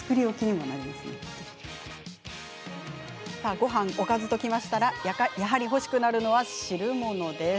ごはん、おかずときましたらやはり欲しくなるのは汁物。